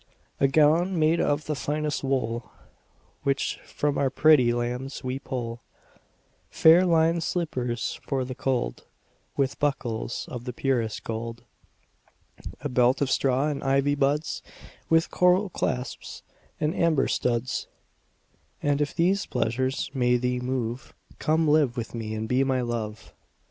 A gown made of the finest wool Which from our pretty lambs we pull; Fair linèd slippers for the cold, 15 With buckles of the purest gold. A belt of straw and ivy buds With coral clasps and amber studs: And if these pleasures may thee move, Come live with me and be my Love.